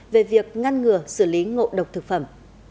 về việc ngăn ngừa xử lý ngộ độc thực phẩm